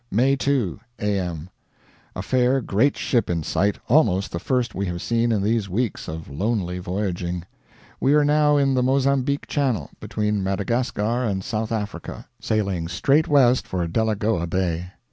May 2, AM. A fair, great ship in sight, almost the first we have seen in these weeks of lonely voyaging. We are now in the Mozambique Channel, between Madagascar and South Africa, sailing straight west for Delagoa Bay.